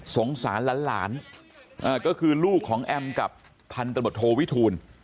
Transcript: สงสารหลานก็คือลูกของแอมกับพันธบทโทวิทูล